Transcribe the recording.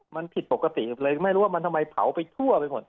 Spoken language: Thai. มันผิดปกติเลยไม่รู้ว่ามันทำไมเผาไปทั่วไปหมด